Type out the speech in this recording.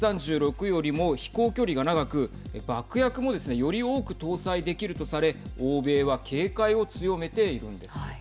１３６よりも飛行距離が長く爆薬もですねより多く搭載できるとされ欧米は警戒を強めているんです。